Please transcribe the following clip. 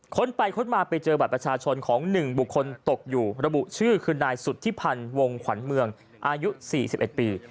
ไปค้นมาไปเจอบัตรประชาชนของ๑บุคคลตกอยู่ระบุชื่อคือนายสุธิพันธ์วงขวัญเมืองอายุ๔๑ปี